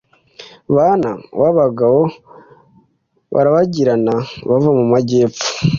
bana babagabo barabagirana bava mu majyepfo